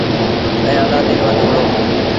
ائيٚݩ الآدين وٽ وُهڙو۔